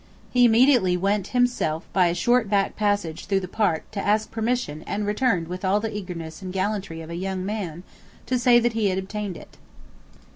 He immediately went himself by a short back passage through the park to ask permission and returned with all the eagerness and gallantry of a young man to say that he had obtained it.